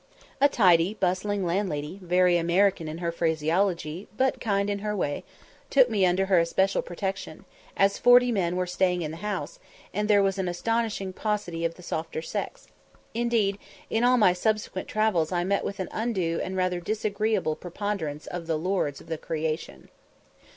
A tidy, bustling landlady, very American in her phraseology, but kind in her way, took me under her especial protection, as forty men were staying in the house, and there was an astonishing paucity of the softer sex; indeed, in all my subsequent travels I met with an undue and rather disagreeable preponderance of the "lords of the creation."